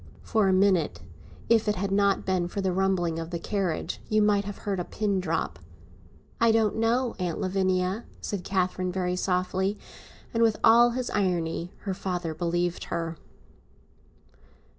For a minute, if it had not been for the rumbling of the carriage, you might have heard a pin drop. "I don't know, Aunt Lavinia," said Catherine, very softly. And, with all his irony, her father believed her.